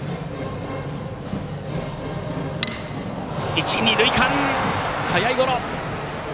一、二塁間、速いゴロ！